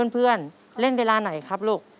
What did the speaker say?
เพื่อนเล่นเวลาไหนครับลูก